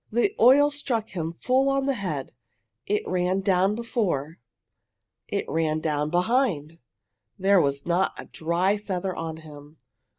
The oil struck him full on the head. It ran down before. It ran down behind! There was not a dry feather on him!